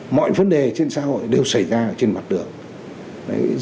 mọi vấn đề trên xã hội đều xảy ra ở trên mặt đường